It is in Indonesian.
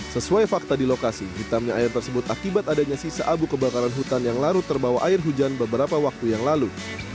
sesuai fakta di lokasi hitamnya air tersebut akibat adanya sisa abu kebakaran hutan yang larut terbawa air hujan beberapa waktu yang lalu